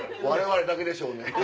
我々だけでしょうね？